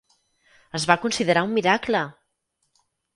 Es va considerar un miracle!